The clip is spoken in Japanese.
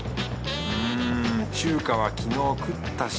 ん中華は昨日食ったし